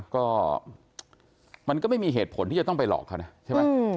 ก็มันก็ไม่มีเหตุผลที่จะต้องไปหลอกเขานะใช่ไหม